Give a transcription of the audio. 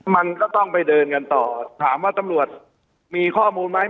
มันก็ต้องไปเดินกันต่อถามว่าตำรวจมีข้อมูลไหม